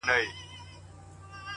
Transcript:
د مجسمې انځور هر ځای ځوړند ښکاري